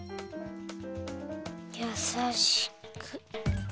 やさしく。